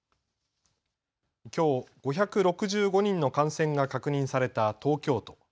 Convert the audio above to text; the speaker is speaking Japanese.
きょう、５６５人の感染が確認された東京都。